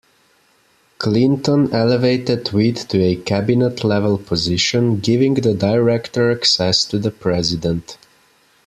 Clinton elevated Witt to a cabinet-level position, giving the Director access to the President.